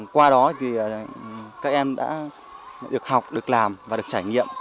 qua đó thì các em đã được học được làm và được trải nghiệm